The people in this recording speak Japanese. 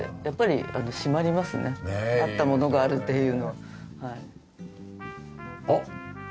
やっぱり締まりますねあったものがあるっていうのは。